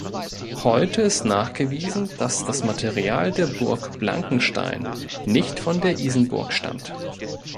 Heute ist nachgewiesen, dass das Material der Burg Blankenstein nicht von der Isenburg stammt.